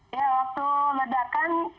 ya waktu ledakan